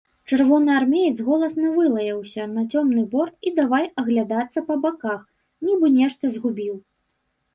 Чырвонаармеец голасна вылаяўся на цёмны бор і давай аглядацца па баках, нібы нешта згубіў.